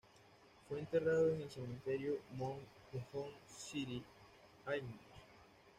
Fue enterrado en el Cementerio Mound de Hunt City, Illinois.